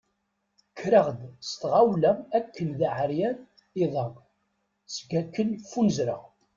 Kkreɣ-d s tɣawla akken d aεeryan iḍ-a seg akken ffunzreɣ.